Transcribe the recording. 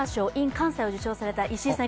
関西を受賞された石井さん